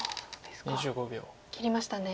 切りましたね。